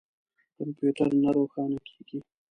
کمپیوټر نه روښانه کیږي